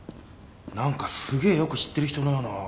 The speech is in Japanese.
何かすげえよく知ってる人のような。